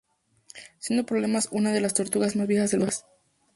Siendo probablemente una de las tortugas más viejas del mundo aún vivas.